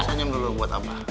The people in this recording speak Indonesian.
senyum dulu senyum dulu buat abah